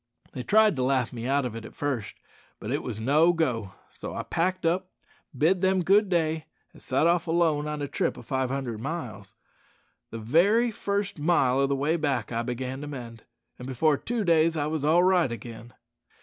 They tried to laugh me out of it at first, but it was no go, so I packed up, bid them good day, an' sot off alone on a trip o' five hundred miles. The very first mile o' the way back I began to mend, and before two days I wos all right again."